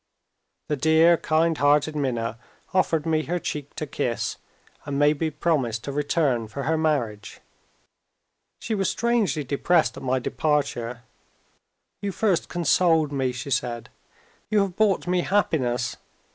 The dear kind hearted Minna offered me her cheek to kiss, and made me promise to return for her marriage. She was strangely depressed at my departure. "You first consoled me," she said; "you have brought me happiness.